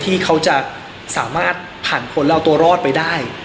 ที่เขาจะสามารถผ่านผลแล้วเอาตัวรอดไปได้